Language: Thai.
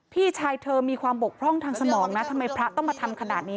พี่ชายเธอมีความบกพร่องทางสมองนะทำไมพระต้องมาทำขนาดนี้